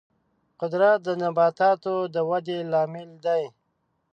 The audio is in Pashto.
قدرت د نباتاتو د ودې لامل دی.